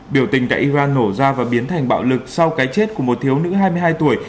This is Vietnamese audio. biểu tình tại iran nổ ra và biến thành bạo lực sau cái chết của một thiếu nữ hai mươi hai tuổi